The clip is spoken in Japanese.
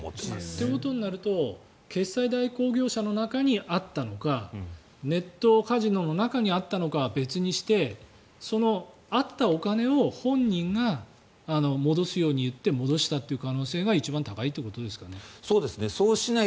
ということになると決済代行業者の中にあったのかネットカジノの中にあったのかは別にしてそのあったお金を本人が戻すように言って戻したという可能性が一番高いということですかね。